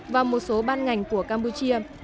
và một số ban ngành của campuchia